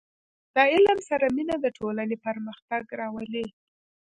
• د علم سره مینه، د ټولنې پرمختګ راولي.